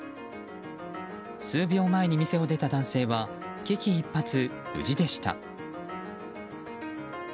数秒前に店を出た男性は危機一髪、無事でした。